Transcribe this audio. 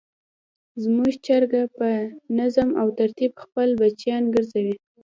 زموږ چرګه په نظم او ترتیب خپل بچیان ګرځوي.